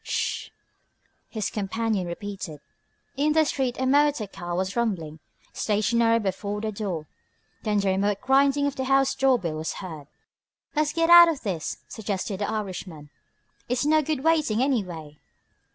"Sssh!" his companion repeated. In the street a motor car was rumbling, stationary before the door. Then the remote grinding of the house door bell was heard. "Let's get out of this," suggested the Irishman. "It's no good waiting, anyway."